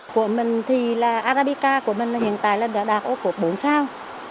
của mình thì là arabica của mình hiện tại đã đạt ocop bốn sao